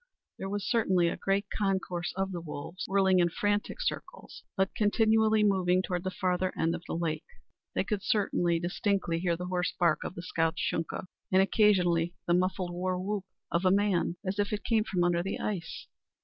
There was certainly a great concourse of the wolves, whirling in frantic circles, but continually moving toward the farther end of the lake. They could hear distinctly the hoarse bark of the scout's Shunka, and occasionally the muffled war whoop of a man, as if it came from under the ice.